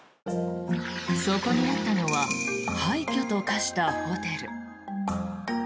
そこにあったのは廃虚と化したホテル。